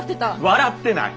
笑ってない！